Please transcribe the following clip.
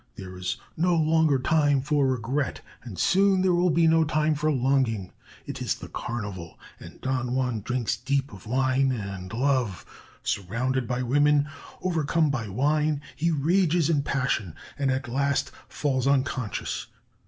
There is no longer time for regret, and soon there will be no time for longing. It is the Carnival, and Don Juan drinks deep of wine and love.... Surrounded by women, overcome by wine, he rages in passion, and at last falls unconscious....